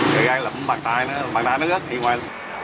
cái gai lụm bàn tay nó bàn tay nó rớt đi ngoài